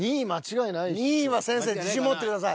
２位は先生自信を持ってください。